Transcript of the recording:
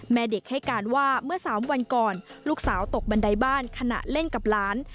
แม่เด็กให้การว่าเมื่อ๓วันก่อนลูกสาวตกบันไดบ้านขณะเล่นกับหลาน